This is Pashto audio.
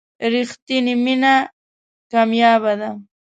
رښتینې مینه کمیابه ده.